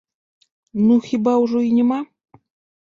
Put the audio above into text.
Ну, хіба ўжо і няма?